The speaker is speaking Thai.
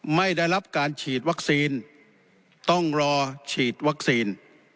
ไม่ได้รับการฉีดวัคซีนต้องรอฉีดวัคซีน